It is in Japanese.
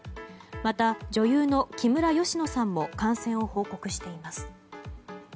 また女優の木村佳乃さんも感染を報告しています。